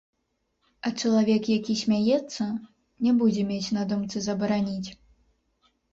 А чалавек, які смяецца, не будзе мець на думцы забараніць.